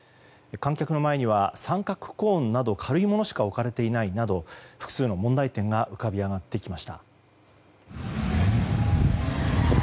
観客の前には三角コーンなど軽いものしか置かれていないなど複数の問題点が浮かび上がってきました。